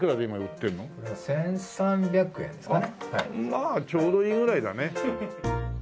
まあちょうどいいぐらいだね。